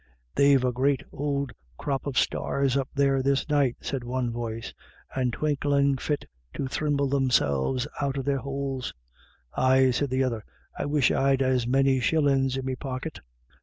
"They've a great ould crop of stars up there this night," said one voice, " and twinklin' fit to thrimble themselves out of their houles." "Aye" said the other, "I wish I'd as many shillins in me pocket."